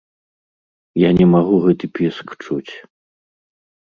Я не магу гэты піск чуць.